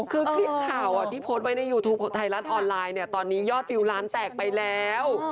คือคลิปข่าวที่โพสต์ไว้ในยูทูปไทยรัฐออนไลน์เนี่ยตอนนี้ยอดวิวร้านแตกไปแล้ว